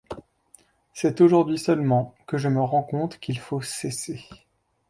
C’est aujourd’hui seulement que je me rends compte qu’il faut cesser.